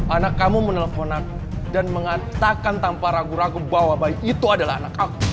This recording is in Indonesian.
anak kamu menelpon aku dan mengatakan tanpa ragu ragu bahwa bayi itu adalah anakku